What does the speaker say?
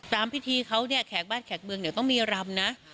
ตามพิธีเขาเนี่ยแขกบ้านแขกเมืองเนี่ยต้องมีรำนะ